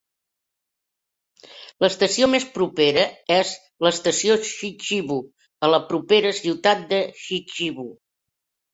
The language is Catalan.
L'estació més propera és l'Estació Chichibu, a la propera ciutat de Chichibu.